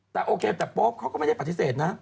แต่โอเคแต่โป๊ปเขาก็ไม่ได้ปฏิเสธนะ